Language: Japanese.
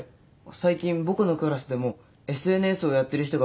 最近僕のクラスでもＳＮＳをやってる人が増えたんですよ。